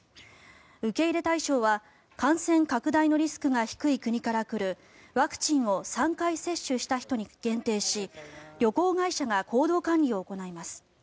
受け入れ対象は感染拡大のリスクが低い国から来るワクチンを３回接種した人に限定し旅行会社が行動管理を行います。